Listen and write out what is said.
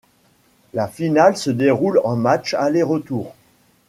La finale se déroule en match aller retour.